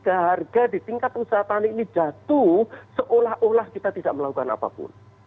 tapi ketiga harga di tingkat usaha tani ini jatuh seolah olah kita tidak melakukan apapun